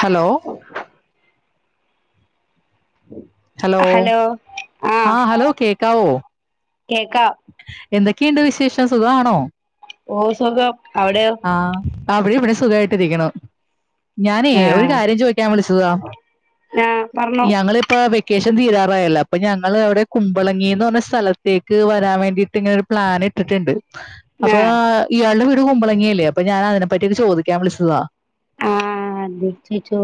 Hello hello ആഹ് ആ hello കേക്കാം എന്തൊക്കെണ്ട് വിശേഷം സുഖാണോ ഓ സുഖം അവിടെയോ ആഹ് അവർ ഇവിടെ സുഖായിട്ടിരിക്ണു ഞാനേ ഒരു ആഹ് കാര്യം ചോയ്ക്കാൻ വിളിച്ചതാ ആഹ് പറഞ്ഞോ ഞങ്ങളിപ്പോ വി ക്കേഷൻ തീരാറായല്ലോ അപ്പൊ ഞങ്ങൾ അവിടെ കുമ്പളങ്ങി ന്ന് പറഞ്ഞ സ്ഥലത്തേക്ക് വ രാൻ വേണ്ടിട്ട് ഇങ്ങനെ ഒരു പ്ലാൻ ഇട്ടിട്ടുണ്ട് അപ്പൊ ആഹ് ഇയാൾടെ വീട് കുമ്പളങ്ങിയല്ലേ അപ്പ ഞാന അതിനെപ്പറ്റി ക്കെ ചോദിക്കാൻ വിളിച്ചതാ ആഹ് അതെ ചോയ്‌ച്ചോ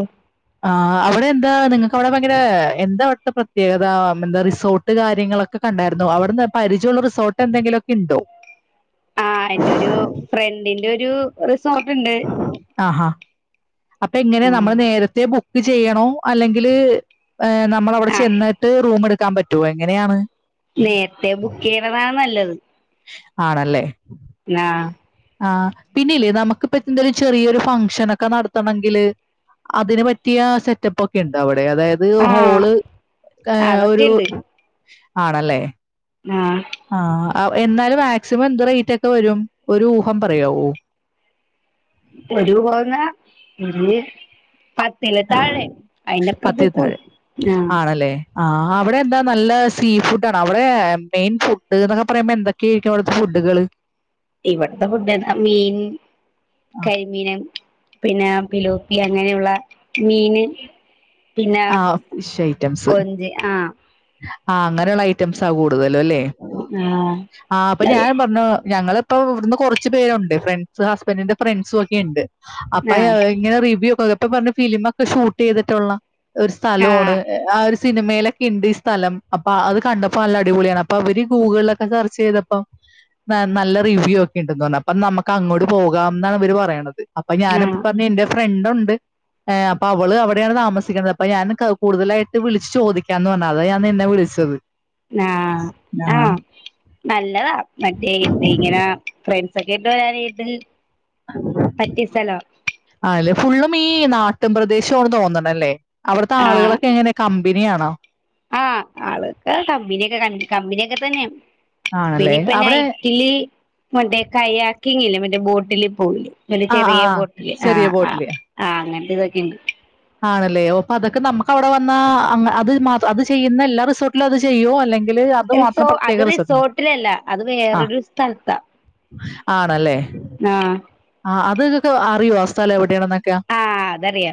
ആഹ് അവിടെ എന്താ നിങ്ങക്ക് അവിടെ ഭയങ്കര എന്താ അവിടുത്തെ പ്രത്യേകത എന്താ റിസോർട്ട് കാര്യങ്ങളൊക്കെ ക്കെ കണ്ടായിരുന്നു അവിടുന്ന് പരിചയുള്ള റിസോർട്ട് എന്തെങ്കിലൊക്കെ ണ്ടോ അന്റെരു ഫ്രണ്ടിന്റെ ഒരു റിസോർട്ട്ണ്ട് ആഹാ അപ്പൊ എങ്ങനെ നമ്മൾ ആഹ് നേരത്തെ ബുക്ക് ചെയ്യണോ അല്ലെങ്കില് ഏ നമ്മളവിടെ ആഹ് ചെന്നിട്ട് റൂം എടുക്കാൻ പറ്റോ എങ്ങനെയാണ് നേര്ത്തെ ബുക്കയ്യ്ണതാ നല്ലത് ആണല്ലേ ന്നാ ആഹ പിന്നെല്ലേ, നമുക്കിപ്പ എന്തൊരു ഒരു ചെറിയൊരു ഫംഗഷനൊക്കെ നടത്തണെങ്കില് അതിൻ പറ്റിയ സെറ്റപ്പ് ഒക്കെണ്ടോ അവിടെ അതായത് അത് ആഹ് ഹോള് ഏഹ് ഒരു അതൊക്കെയുണ്ട് ആണല്ലേ ആഹ് ആഹ് എന്നാലും മാക്സിമം എന്ത് റേറ്റ് ഒക്കെ വരും ഒരു ഊഹം പറയാവോ ഒരു പോകുന്ന ഒരു പ ത്തിൻ താഴെ അയിന്റെപ്പർത്ത്ക് വും ആഹ് ആഹ് അവിടെ എന്താ നല്ല സീ ഫുഡ് ആണോ അവിടെ മെയിൻ ഫുഡ് എന്നൊക്കെ പറയുമ്പോ എന്തൊക്കെയ ആയിരിക്കും അവിടുത്തെ ഫുഡുകള് ഈവട്ത്തെ ഫുഡന്നെ മീൻ കരിമീനും പിന്ന പിലോപ്പി അങ്ങനെയുള്ള മീന് പിന്നാ ആ കൊഞ്ച് ആഹ് ആഹ് അങ്ങനെയുള്ള ഐറ്റംസ കൂടുതലും ല്ലേ ആഹ് ആഹ് അപ്പൊ അത് ഞാൻ പറഞ്ഞു ഞങ്ങള് ഇപ്പൊ ഇവിടുന്ന് കൊറച്ച് പേരുണ്ട് ഫ്രണ്ട്സ് ഹസ്ബന്റ് ന്റെ ഫ്രണ്ട്സും ഒക്കെ ഇണ്ട് അപ്പൊ ആഹ് ഇങ്ങനെ റിവ്യൂ ഒക്കെ പ്പ പറഞ്ഞു ഫിലിമ ഒക്കെ ഷൂട്ട് ചെയ്തിട്ടുള്ളാ ഒരു സ്ഥലോണ് ആഹ് ആഹ് ഒര് സിനിമയിലൊക്കെ ഇണ്ട് സ്ഥലം അപ്പ അത് കണ്ടപ്പോ നല്ല അടിപൊളിയാണ് അപ്പൊ അവര് ഗൂഗിളിലൊക്കെ സെർച്ച് ചെയ്തപ്പോ നല്ല റിവ്യൂ ഒക്കെ ഉണ്ടന്ന്തോന്ന് അപ്പം നമ്മക്ക് അങ്ങോട്ട് പോകാം ന്നാണ് ഇവര് പറയണത് അപ്പൊ ആഹ് ഞാനപ്പ പറഞ് എന്റെ ഫ്രണ്ട് ഉണ്ട് അപ്പ അവള് അവിടെയാണ് താമസിക്നത് അപ്പൊ ഞാൻ കൂടുതലായിട്ട് വിളിച്ചു ചോദിക്കാന്ന് പറഞ്ഞു അതാ ഞാൻ നിന്നെ വിളിച്ചത് ആഹ് ആ ആഹ് നല്ലതാ മറ്റേ ഇത് ഇങ്ങന ഫ്രണ്ട്സ ഒക്കെ ഇട്ട് വരാനായിട്ട് പറ്റിയ സ്ഥലവാ അല്ലെ ഫുള്ളും ഈ നാട്ടും പ്രദേശാ തോന്ന് ലെ അവിടുത്തെ ആഹ് ആളുകളൊക്കെ എങ്ങനെ കമ്പനിയാണോ ആഹ് ആളൊക്കെ കബിനിയൊക്കെ ക കബിനിയൊക്കെ തന്നെയാ പിന്ന ആണല്ലേ? ഇപ്പൊ അവിടെ നൈറ്റില് മറ്റേ കൈ ആക്കിങ്ങില്ലേ മറ്റേ ബോട്ടില് പോഉലെ വലിയ ആഹ് ചെറിയ ആഹ്. ബോട്ടില് ചെറിയ ആഹ് ആഹ് ബോട്ടില്. ആഹ് അങ്ങനത്തെ ഇതൊക്കെണ്ട് ആണല്ലേ അപ്പൊ നമക്ക് അവിടെ വന്നാ അ അത് മാ ചെയ്യുന്ന എല്ലാ റിസോർട്ടിലും അത് ചെയ്യൂ അല്ലെങ്കി എൽസോ അത് റിസോർട്ടിലല്ല അത് ആഹ്. വേറൊരു സ്ഥലത്താ ആണല്ലേ ആഹ് ആഹ് അത് ഇത് ഒക്കെ അറിയോ ആഹ് സ്ഥലം എവിടെയാണെന്നൊക്കെ ആഹ് അതറിയാ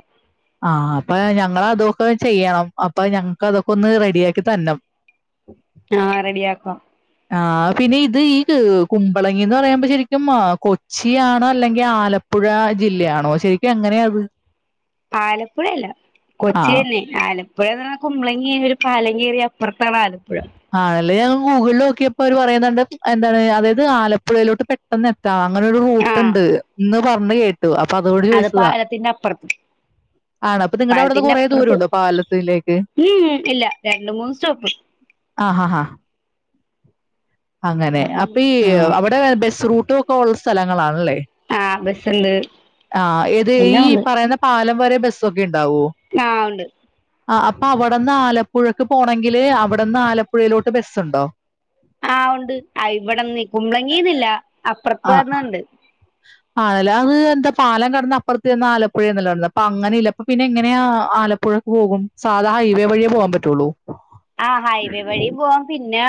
ആഹ് അപ്പൊ ഞങ്ങള് അതൊക്കെ ചെയ്യണം അപ്പൊ ഞങ്ങക്ക് അതൊക്കെ ഒന്ന് റെഡിയാ ആക്കിതരണം ആഹ് റെഡിയാക്കാം ആഹ് പിന്നെ ഇത് ഈ കുമ്പളങ്ങിന്ന് പറയുമ്പോ ശരിക്കും കൊച്ചിയാണോ അല്ലെങ്കി ആലപ്പുഴ ജില്ലയാണോ ശരിക്കും എങ്ങനെയ ഇത് ആലപ്പുഴയല്ല കൊച്ചി ആഹ്. ന്നെ ആലപ്പുഴന്ന് പറ കുബളങ്ങിയം ഒരു പാലം കയറിയ അപ്പുറത്താ ആലപ്പുഴ ആണല്ലേ ഞാൻ ഗൂഗിള്ൽ നോക്കിയപ്പോ അവര് പറയുന്നത് എന്താണ് അതായത് ആലപ്പുഴയിലോട്ട് പെട്ടെന്ന് ട്ടാ അങ്ങനെരു ആഹ് റൂട്ട്ണ്ട് എന്ന് പറഞ്ഞ് കേട്ടു അപ്പൊ അതോട് അത് ചോയിച്ചതാ പാലത്തിന്റെ അപ്പുറത്ത് ആണോ അപ്പ നിങ്ങടെ അവിടുന്ന് പാലത്തിന്റെ കുറെേ ദൂരം അപ്പുറത്ത് ഉണ്ടോ പാലത്തിലേക്ക് ഇല്ല രണ്ട് മൂന്ന് സ്റ്റോപ്പ് ആഹ് ആഹ് അങ്ങനെ അപ്പൊ ഈ ആഹ് അവിടെ ബസ് റൂട്ടും ഒക്കെ ഉള്ള സ്ഥലങ്ങളാണല്ലേ ആഹ് ബസ്സുണ്ട് ആഹ് ഏത് ഈ എല്ലാം ഉണ്ട് പറയുന്ന പാലം വരെ ബസ്സൊക്കെ ഇണ്ടാവോ ആഹ് ഉണ്ട് ആഹ് അപ്പൊ അവിടെന്ന് ആലപ്പുഴക്ക് പോണെങ്കില് അവിടെന്ന് ആലപ്പുഴയിലോട്ട് ബസ്സുണ്ടോ ആഹ് ഉണ്ട് ഇവിടന്ന് കുമ്പളങ്ങീന്നില്ല ആ അപ്പുറത്ത് ന്നണ്ട് ആണല്ലേ അത് എന്താ പാലം കടന്ന് അപ്പുറത്ത് ചെന്ന ആലപ്പുഴന്നല്ലേ പറഞ്ഞത് അപ്പൊ അങ്ങനെ ഇല്ല അപ്പ പിന്നെങ്ങനെയ ആലപ്പുഴ പോകും സാധാ ഹൈവേ വഴിയേ പോവാൻ പറ്റുള്ളൂ ആഹ് ഹൈവേ വഴി പോവാ പിന്നെ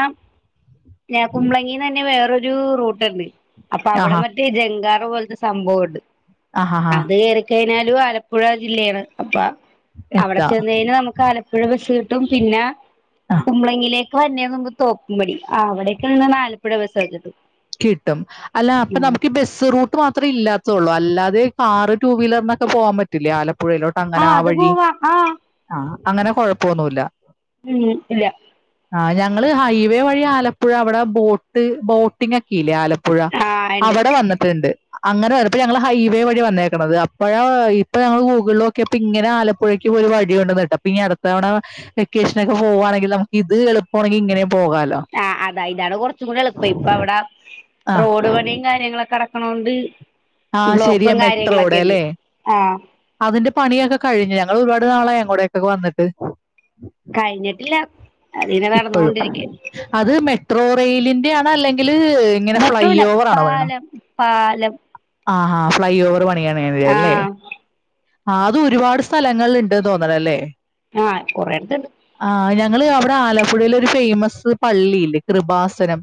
കുമ്പളങ്ങിന്നന്നെ വേറൊരു ഒരു റൂട്ടുണ്ട് അപ്പൊ അവിടെ ആഹാ. മറ്റേ ജംഗാർ പോലത്തെ സംഭവോണ്ട് ആഹാഹാ. അത് കേറിക്കഴിഞ്ഞാലും ആലപ്പുഴ ജില്ലയാണ് അപ്പ അവിടെ എത്താം. ചെന്ന് കഴിഞ നമുക്ക് ആലപ്പുഴ ബസ്സ് കിട്ടും പിന്ന ആ തുമ്പളെങ്ങിലേക്ക് വന്നേമുമ്പ് തോപ്പുംപ്പടി അവിടേക്ക് ആലപ്പുഴ ബസ്സ്‌ ഒക്കെ കിട്ടും കിട്ടും അല്ല അപ്പൊ ഉം നമുക്ക് ബസ് റൂട്ട് മാത്രേ ഇല്ലാത്തള്ളൂ അല്ലാതെ കാറ് ടു വീലറിനൊക്കെ പോവാൻ പറ്റില്ലേ ആലപ്പുഴയിലോട്ട് അങ്ങനെ ആ അത് വഴി പോവാ ആ ആഹ് അങ്ങനെ കൊഴപ്പൊന്നുല്ല ഉം ഇല്ല ആഹ് ഞങ്ങള് ഹൈവേ വഴി ആലപ്പുഴ അവിടെ ബോട്ട് ബോട്ടിംഗ് ഒക്കെ ഇല്ലേ ആലപ് - - പുഴ ആ ഇണ്ട് അവിടെ വന്നിട്ടുണ്ട് അങ്ങനെ വരുമ്പോ ഞങ്ങള് ഹൈവേ വഴി വന്നേക്കുണത് അപ്പഴാ ഇപ്പൊ ഞങ്ങൾ ഗൂഗിളില് നോക്കിയപ്പൊ ഇങ്ങനെ ആലപ് - - പുഴയ്ക്കും ഒരു വഴി ഉണ്ട് ന്ന് കേട്ട് അപ്പ ഇനി അടുത്തവണ വെക്കേഷന് ഒക്കെ പോവാണെങ്കിൽ നമുക്ക് ഇത് എളുപ്പണെങ്കിൽ ഇങ്ങനേം പോകാലോ ആഹ് അതാ ഇതാണ് കുറച്ചും കൂടി എളുപ്പം ഇപ്പൊ അവിടെ ആ റോഡ് പണിയും കാര്യങ്ങളൊക്കെ നടക്ക്‌ - - ക്കണോണ്ട് ആ ശരിയാ ബ്ലോക്കും മെട്രോയുടെ കാര്യങ്ങളൊക്കെ ഉണ്ട് അല്ലേ ആഹ് അതിന്റെ പണിയൊക്കെ കഴിഞ്ഞു ഞങ്ങൾ ഒരുപാട് നാളായി അങ്ങോടേക്കൊക്കെ വന്നിട്ട് കഴിഞ്ഞിട്ടില്ല അതിങ്ങനെ ഇപ്പോഴും നടന്നോണ്ടിരിക്ക അത് മെട്രോ റെയിലിന്റെ ആണ് അല്ലെങ്കില് മെട്രോല്ല പാലം പാലം ആഹ് ഹാ ഫ്ലൈ ഓവർ പണിയാണെണ് അത് ആ അല്ലേ ആഹ് അത് ഒരുപാട് സ്ഥലങ്ങളിൽ ഉണ്ട് ന്ന് തോന്നണല്ലേ ആഹ് കൊറെടുത്ത് ഇണ്ട് ആഹ് ഞങ്ങള് അവിടെ ആലപ്പുഴയില് ഒരു ഫേമസ് പള്ളിയില്ലേ കൃപാസനം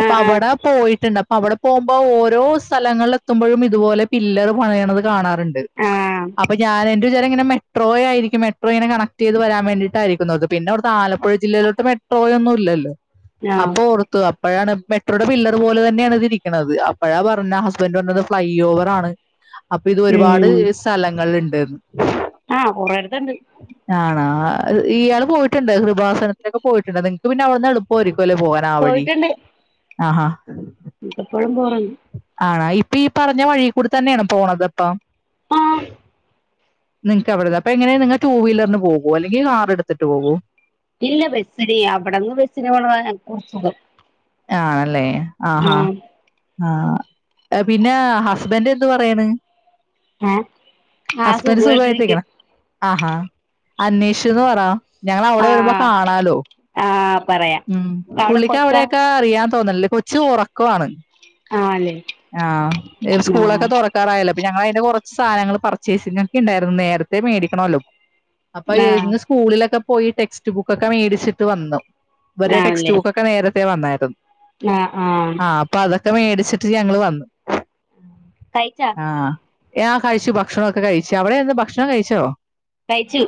അപ്പൊ ആഹ് അവിടെ പോയിട്ടുണ്ട് അവിടെ പോകുമ്പോ ഓരോ സ്ഥലങ്ങളിൽ എത്തുമ്പോഴും ഇതുപോലെ പില്ലറ് പണിയണത് കാണാറുണ്ട് ആഹ് ആഹ് അത് എന്റെ വിചാരം ഇങ്ങെ മെട്രോയായിരിക്കും മെട്രോ ഇങ്ങനെ കണക്ട് ചെയ്ത് വരാൻ വേണ്ടീട്ടായിരിക്കും എന്നോർത്ത് പിന്നോർത്ത് ആലപ്പുഴ ജില്ലയിലോട്ട് മെ - - ട്രോയൊന്നും ഇല്ലല്ലോ ആഹ് അപ്പൊ [unintelligible] അപ്പോഴാണ് മെട്രോയുടെ പില്ലർ പോലെ തന്നെയാണ് ഇത് ഇരിക്കുണത് അപ്പോഴാ പറഞ്ഞ ഹസ്ബൻഡ് പറഞ്ഞത് ഫ്ലൈ ഓവർ ആണ് അപ്പൊ ഇത് ഒരുപാട് ഉം സ്ഥലങ്ങൾ ഇണ്ടെന്നു ആഹ് കൊറേടുത്തുണ്ട് ആണോ ഇയാള് പോയിട്ടുണ്ടൊ കൃ പാസനത്തിനൊക്കെ പോയിട്ടുണ്ടോ നിങ്ങക്ക് പിന്നെ അവിടുന്ന് എളുപ്പമായിയിരിക്കും ല്ലേ പോവാൻ ആ വഴി ആഹ് ഹാ മിക്കപ്പോഴും പോവാറുണ്ട് ആണൊ ഇപ്പൊ ഈ പറഞ്ഞ വഴീ കൂടി തന്നെയാണോ പോണത് അപ്പം ആഹ് നിങ്ങക്കവിടുന്ന് അപ്പ എങ്ങനെയ നിങ്ങ ടു വീലറിന് പോകുവോ അല്ലെങ്കിൽ കാർ എടുത്തിട്ട് പോകുവോ ഇല്ല ബെസിന് അവിടെന്ന് ബെസിന് പോണതാ ഞങ്ങക്ക് സുഖം ആണല്ലേ ആഹ് ഹാ ആഹ് പിന്നെ ഹസ്ബൻഡ് എന്ത് പറയണ് ഏഹ് ആഹ് ഹസ്ബൻഡ് സുഖായിട്ടിരിക്ക് സുഖമായിട്ടിരിക്കണ് ആഹാ അന്വേഷിച്ചന്ന് പറ ഞങ്ങളവിടെ വരുമ്പോ ആഹ് കാണാലോ ആഹ് പറയാം ഉം പുള്ളിക്ക് അവിടെ അറിയാം തോന്നുന്നില്ലേ കൊച്ച് ഉറക്കമാണ് ആഹ് അല്ലെ ആഹ് ഏത് സ്കൂളൊക്കെ തുറക് ക്കാറായല്ലോ അപ്പ ഞങ്ങള് അതിന്റെ കുറച്ച് സാധനങ്ങള് പർച്ചേസിംഗ് ഒക്കെ ഉണ്ടായിരുന്നു നേരത്തെ മേടിക്കണോല്ലോ അപ്പൊ ആഹ് ഇന്ന് സ്കൂളിലൊക്കെ പോയി ടെക്സ്റ്റ് ബുക്കൊക്കെ മേടിച്ചിട്ട് വന്നു ഇവരെ ടെക്സ്റ്റ് ആണല്ലേ ബുക്കൊക്കെ നേരത്തെ വന്നായിരുന്നു ആഹ് ആഹ് അപ്പൊ അതൊക്കെ മേടിച്ചിട്ട് ഞങ്ങള് വന്നു കഴിച്ചോ ആഹ് ആ കഴിച്ചു ഭക്ഷണമൊക്കെ കഴിച്ചു അവിടെ എന്താ ഭക്ഷണം കഴിച്ചോ കഴിച്ചു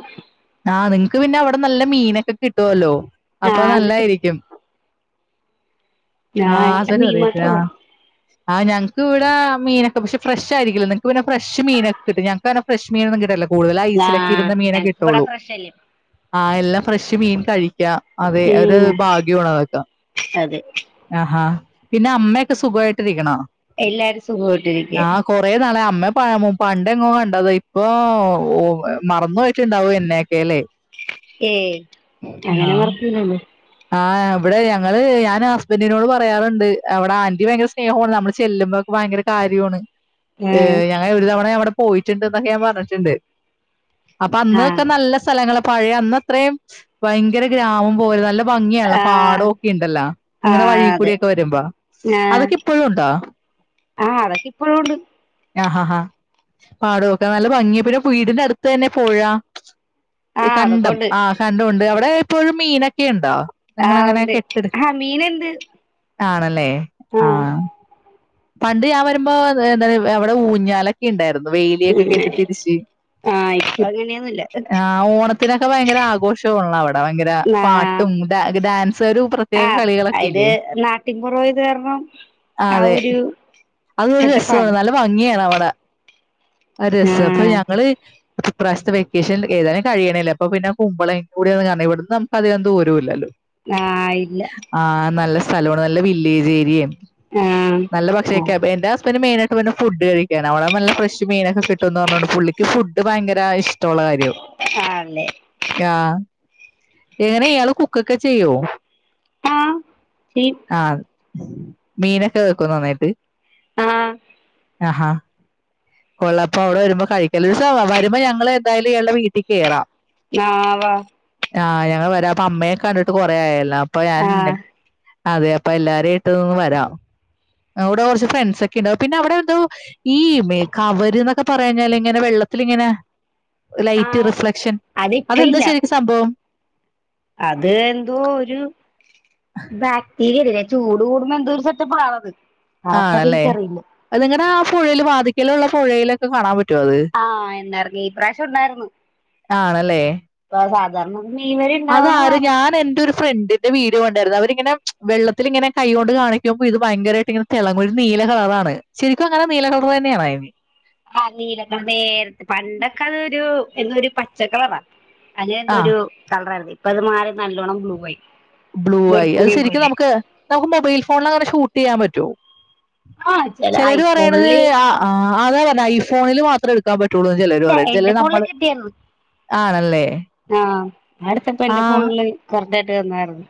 ആഹ് നിങ്ങക്ക് പിന്നെ അവിടെ നല്ല മീനൊക്കെ കിട്ടുവല്ലോ അപ്പൊ ആഹ് കിട്ടും നല്ലായിരിക്കും ആഹ് ഹസ്ബൻഡ് മീൻ മാത്രേ പറയത്തില്ല ഉള്ളു ആഹ് ആഹ് ഞങ്ങക്ക് ഇവിടെ മീനൊക്കെ പക്ഷേ ഫ്രഷ് ആയിരിക്കില്ല നിങ്ങക്ക് പിന്നെ ഫ്രഷ് മീനൊക്കെ കിട്ടും ഞങ്ങക്ക് അങ്ങനെ ഫ്രഷ് മീൻ ഒന്നും കിട്ടില്ല കൂടുതൽ ആഹ് ഐസിലൊക്കെയിടുന്ന മീനെ ഞങ്ങക്ക് ഇവിടെ കിട്ടുള്ളൂ ഫ്രഷ് അല്ലേ ആഹ്.. എല്ലാ ഫ്രഷുമീൻ കഴിക്കാം അതെ ഒരു ഉം ഭാഗ്യമാണ് അതൊക്കെ അതെ ആഹ്.. ഹാ.. പിന്നെ അമ്മയൊക്കെ സുഖമായിട്ടിരിക്കണോ എല്ലാവരും സുഖമായിട്ടിരിക്കേ കൊറെ നാളായി അമ്മയെ പണ്ടെങ്ങോ കണ്ടതായിപ്പൊ, ഓ.. മറന്നുപോയിട്ടുണ്ടാവുമെന്നെയൊക്കെയല്ലേ ഏയ്, അങ്ങനെ മറക്കൂലമ്മ ആഹ്, ഇവിടെഞങ്ങള് ഞാന്ഹസ്ബന്റിനോടു പറയാറുണ്ട്, അവിടെ ആന്റി ഭയങ്കര സ്നേഹമാണ് നമ്മളുചെല്ലുമ്പം ഭയങ്കര കാര്യമാണ്. ആഹ് ഞങ്ങളൊരു തവണയവിടെപോയിട്ടുണ്ടെന്നൊക്കെ ഞാൻ പറഞ്ഞിട്ടുണ്ട്. അപ്പൊയന്നൊക്കെ ആഹ് നല്ല സ്ഥലങ്ങളാ പഴയ അന്നത്രയും ഭയങ്കര ഗ്രാമംപോലെ നല്ല.. ഭംഗിയുള്ള ആഹ് പാടമൊക്കെയുണ്ടല്ലോ, നിങ്ങളുടെ ആഹ് അതെ വഴിയിൽകൂടിയൊക്കെ വരുമ്പോ ആഹ് അതൊക്കെ യിപ്പളുമുണ്ടോ ആഹ്, അതൊക്കെ യിപ്പോഴുമുണ്ട് ആഹ്.. ആ.. ഹാ പാടവൊക്കെ നല്ല ഭംഗിയ പിന്നെ വീടിന്റെ അടുത്തുതന്നെ പുഴ ആഹ് അതൊക്കെ കണ്ടം, ഉണ്ട് ആഹ് കണ്ടമുണ്ട്. അവിടെയിപ്പോളും മീനൊക്കെയുണ്ടോ ആഹ് നിങ്ങളെങ്ങനെയാ, ഉണ്ട് കെട്ട് ആഹ് മീനുണ്ട് ടാ ണല്ലേ ആഹ് ആഹ പണ്ടുഞാൻ വരുമ്പോ എന്ത അവിടെ ഊഞ്ഞാലൊക്കെയുണ്ടായിരുന്നു. വേലിയൊക്കെ കെട്ടി ആഹ് തിരിച്ച് ഇപ്പൊ അങ്ങനെയൊന്നുല്ല ആഹ്, ഓണത്തിനൊക്കെ ഭയങ്കര ആഘോഷമുള്ള യവിടെ ഭയങ്കര ആഹ് പാട്ടും ഡാൻസൊരു പ്രത്യേക ആഹ് ഇത് കളികളൊക്കെയില്ലേ ആയൊരു അതൊരു രസമാണ്, നല്ല ഭംഗിയാണവിടെ അതൊരു രസം അപ്പൊ ആഹ് ഞങ്ങള് ഇപ്രാവശ്യത്തെ വെക്കേഷൻ ഏതായാലും കഴിയണില്ലേ അപ്പൊ പിന്നെപൂപ്പളേകൂടിയൊന്ന് കറങ്ങി. ഇവിടുന്നധികം ദൂരമില്ലല്ലോ ആഹ്, ഇല്ല ആഹ്, നല്ല സ്ഥലമാണ് നല്ലവില്ലേജ് ഏരിയ, ആഹ് നല്ല പക്ഷേ ആഹ് എന്റെ ഹസ്ബന്റ് മെയിനായിട്ടു വരും. ഫുഡുകഴിക്കാനവിടെ നല്ല ഫ്രഷുമീനൊക്കെ കിട്ടുമെന്നു പറഞ്ഞു കൊണ്ടു പുള്ളി ഫുഡുഭയങ്കര ഇഷ്ടമുള്ള കാര്യവാ ആല്ലേ ആഹ് എങ്ങനെയാ ഇയാള് കുക്കൊക്കെ ചെയ്യുവോ ആഹ് ചെയ്യും ആഹ്‌ മീനൊക്കെ വെക്കുവോ നന്നായിട്ട് ആഹ് ആഹാ ഒള്ളപ്പമവിടെ വരുമ്പോ കഴിക്കല് വരുമ്പോ ഞങ്ങളെന്തായാലുമിയാളുടെ വീട്ടിൽ കയറാം. ഞാ വാ ആഹ് ഞങ്ങൾവരാം അപ്പൊ അമ്മയെ കണ്ടിട്ടു കൊറെയായല്ലോ അപ്പൊ ആഹ് ഞാനെന്റ അതെയപ്പൊ എല്ലാരുമായിട്ടൊന്നു വരാം അവിടെകുറച്ചു ഫ്രണ്ട് സൊക്കെയുണ്ടാവും പിന്നെ അവിടെയെന്തോ ഈ മേ കവരെന്നൊക്കെ പറയാഞ്ഞാൽ ഇങ്ങനെ വെള്ളത്തിലിങ്ങനെ ലൈറ്റു ആഹ് റിഫ്ലക്ഷൻ അത് ഇപ്പ അതെന്താ ഇല്ല ശരിക്കും സംഭവം അത് എന്തോ ഒരു ബാക്ടീരിയയല്ലേ ചൂട് കൂടുമ്പോ എന്തൊ ഒരു സെറ്റപ്പാണത് ആണല്ലേ അതു നിങ്ങളുടെയാപുഴയില് വാതിൽക്കലുള്ളപുഴയില് അതുകാണാൻ പറ്റോ അത് ആഹ് എന്നാർന്ന് ഈ പ്രാവശ്യം ആണല്ലേ ഇപ്പഅതു സാധാരണ മെയ്യ് വരെയുണ്ടാവുന്നതാണ് അതെന്തൊരു ഫ്രണ്ടിന്റെ വീഡിയോ കണ്ടായിരുന്നു അവരിങ്ങനെ വെള്ളത്തിലിങ്ങനെ കൈ കൊണ്ടു കാണിക്കുമ്പോയിത് ഭയങ്കരമായിട്ടിങ്ങനെ തിളങ്ങും ഒരുനീല കളറാണ് ശരിക്കുമങ്ങനെ നീലകളറുതന്നെയാണോ അതിന് ആനീലക്കളറേ നേര പണ്ടൊക്കെയൊരു എന്താ ഒരുപച്ചക്കളറാണ് ആ അതിനെന്തോയൊരു കളർ ആയിരുന്നു ഇപ്പൊ അതുമാറി നല്ലോണ്ണം ബ്ലൂ വായി ബ്ലൂവായി അതുശരിക്കും നമുക്ക് നമുക്കു മൊബൈൽ ഫോണിലങ്ങനെ ഷൂട്ടുചെയ്യാൻ പറ്റോ ആഹ് ചെല ചിലരുപറയണത് ഐഫോണില് അ അതാ പറഞ്ഞേ ഐഫോണിൽ മാത്രം എടുക്കൂ എടുക്കാൻപറ്റുള്ളൂ ചിലര് ഇല്ല പറയും എന്റെ ചിലര് ഫോണില് നമ്മള് കിട്ടിയായിരുന്നു ആണല്ലേ ആഹ് ഞാനെടുത്തപ്പ എന്റെ ആഹ് ഫോണില് കറക്റ്റ് ആയിട്ട് വന്നായിരുന്നു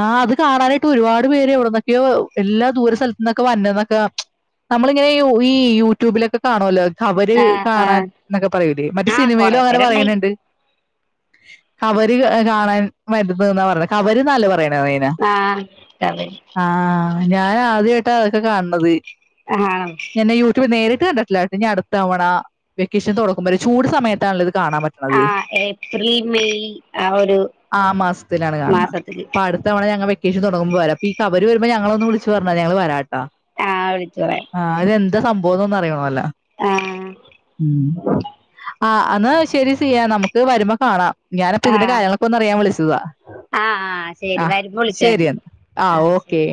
ആഹ് അത് കാണാനായിട്ട് ഒരുപാട് പേര് എവിടന്നൊക്കെയോ എല്ലാ ദൂര സ്ഥലത്തു നിന്നൊക്കെ വന്നന്നൊക്കെ നമ്മളിങ്ങനെ ഈ യൂട്യൂബിലൊക്കെ കാണുല്ലോ കവര് ആഹ് കാണാൻ ആഹ് എന്നൊക്കെ പറയൂലേ മറ്റേ ആഹ് സിനിമയിലും കൊറെ അങ്ങനെ പേരുണ്ടായി പറയണുണ്ട് കവര് കാണാൻ വരുന്ന്ന്നാ പറഞ്ഞ കവരിന്നല്ലേ പറയാ ആഹ് ആ ഹ്ഞാൻ ആദ്യമായിട്ടാ അതൊക്കെ കാണണത് ആണോ ഞാനേ യൂട്യൂബ് നേരിട്ട് കണ്ടിട്ടില്ല എനി അടുത്തവണ വെക്കേഷൻ തൊടങ്ങുമ്പു ചൂട്സമയത്താണല്ലോ ഇത് കാണാൻ പറ്റണത് ആഹ് ഏപ്രിൽ മെയ് ആ മാസത്തിലാണ് കാണണെ സത്തില് അടുത്തവണ ഞങ്ങ വെക്കേഷൻ തുടങ്ങുമ്പോ വരാം അപ്പീക്കവര് വരുമ്പോ ഞങ്ങള ഒന്ന് വിളിച്ചുപറഞ്ഞാ ഞങ്ങള് വരാട്ടാ ആ ഹ് വിളിച്ചു പറയാം ആഹ് രെന്ത് സംഭവോന്നറിയണോ ലൊ ആഹ് ഉം ആ ഹ്അന്ന ശരി സിയാ നമുക്ക് വരുമ്പോ കാണാം ഞാനപ്പ ഇതിന്റെ ആഹ് കാര്യങ്ങളൊക്കെ അറിയാൻ വിളിച്ചതാ ആഹ് ആഹ് ശരി ആഹ് വരുമ്പോ വിളിച്ചാ മതി ശരിയെന്നാ ആഹ് ഓക്കെ